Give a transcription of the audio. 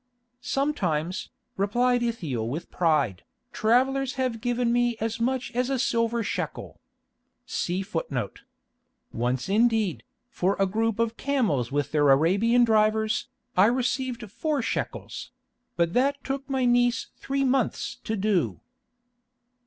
"Sometimes," replied Ithiel with pride, "travellers have given me as much as a silver shekel.[*] Once indeed, for a group of camels with their Arabian drivers, I received four shekels; but that took my niece three months to do."